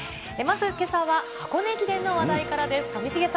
まずけさは箱根駅伝の話題からです。